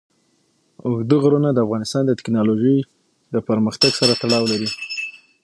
اوږده غرونه د افغانستان د تکنالوژۍ پرمختګ سره تړاو لري.